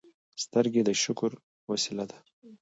سترګې د شکر وسیله ده